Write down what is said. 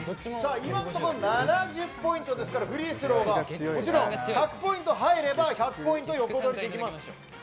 今のところ７０ポイントですからフリースローで１００ポイント入れば１００ポイント横取りできます。